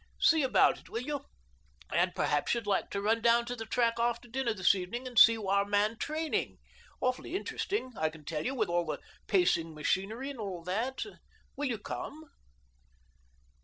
See about it, will you? And perhaps you'd like to run down to the track after dinner this evening and see our man training — awfully interesting, I can tell you, with all the pacing machinery and that. Will you come?